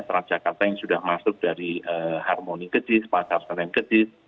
terhadap jakarta yang sudah masuk dari harmoni kedis pasar selen kedis